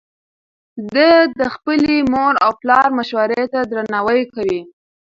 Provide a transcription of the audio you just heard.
ده د خپلې مور او پلار مشورې ته درناوی کوي.